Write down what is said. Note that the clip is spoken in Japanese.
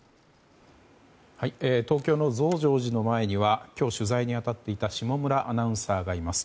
東京の増上寺の前には今日、取材に当たっていた下村アナウンサーがいます。